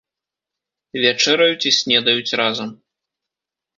Вячэраюць і снедаюць разам.